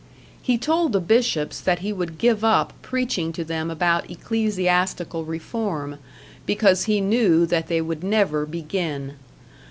He told the Bishops that he would give up preaching to them about ecclesiastical reform, because he knew that they would never begin.